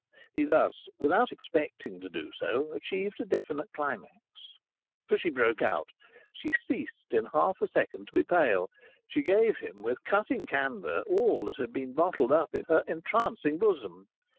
He thus, without expecting to do so, achieved a definite climax. For she broke out. She ceased in half a second to be pale. She gave him with cutting candour all that had been bottled up in her entrancing bosom.